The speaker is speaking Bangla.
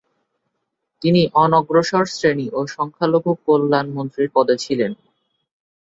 তিনি অনগ্রসর শ্রেণি ও সংখ্যালঘু কল্যাণ মন্ত্রীর পদে ছিলেন।